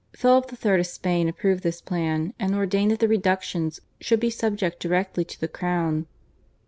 Philip III. of Spain approved this plan, and ordained that the Reductions should be subject directly to the Crown.